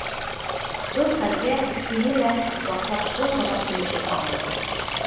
Был хәлгә икеһе лә ихласлап шым ғына көлөшөп алды